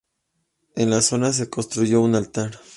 En la zona se construyó un altar.